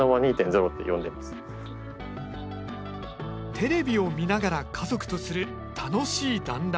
テレビを見ながら家族とする楽しい団欒。